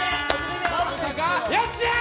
よっしゃー！